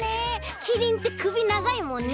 キリンってくびながいもんね。